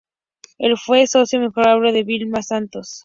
Él fue socio inmejorable de Vilma Santos.